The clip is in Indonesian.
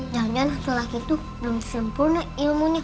jangan jangan selain itu belum sempurna ilmunya